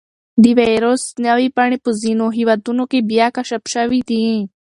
د وېروس نوې بڼې په ځینو هېوادونو کې بیا کشف شوي دي.